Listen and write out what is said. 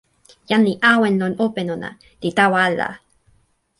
jan li awen lon open ona, li tawa ala.